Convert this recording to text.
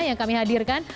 yang kami hadirkan